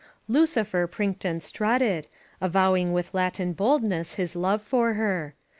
Lucifer prinked and strutted, avowing with Latin boldness his love for her.